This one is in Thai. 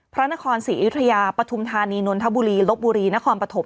พระนครศรีอยุธยาปฐุมธานีนนทบุรีลบบุรีนครปฐม